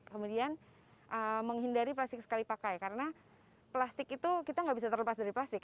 kemudian menghindari plastik sekali pakai karena plastik itu kita nggak bisa terlepas dari plastik